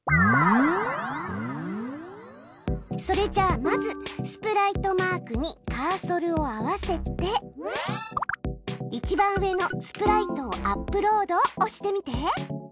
それじゃまずスプライトマークにカーソルを合わせて一番上の「スプライトをアップロード」を押してみて！